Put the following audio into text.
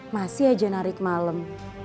masih aja narik malem